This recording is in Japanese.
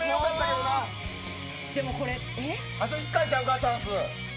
あと１回ちゃうかチャンス。